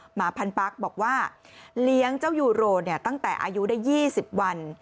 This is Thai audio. หมาพันปั๊กบอกว่าเลี้ยงเจ้ายูโรตั้งแต่อายุได้๒๐วัน